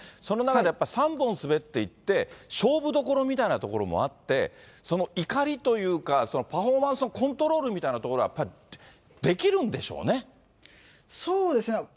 その中でやっぱ３本滑っていって、勝負どころみたいなところもあって、その怒りというか、パフォーマンスのコントロールみたいなところは、やっぱりできるそうですね。